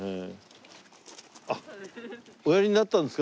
あっおやりになったんですか？